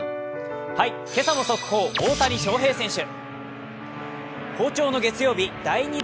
今朝の速報、大谷翔平選手。